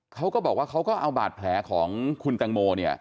เขาก็บอกว่าเขาก็เอาบาดแผลของคุณแตงโมเนี่ย